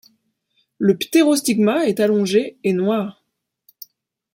Le ptérostigma est allongé et noir.